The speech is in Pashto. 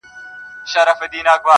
راسه دعا وكړو.